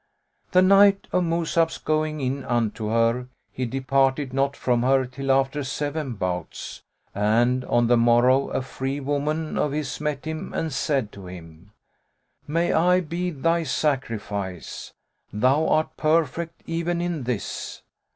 The night of Mus'ab's going in unto her, he departed not from her, till after seven bouts; and on the morrow, a freewoman of his met him and said to him, "May I be thy sacrifice! Thou art perfect, even in this."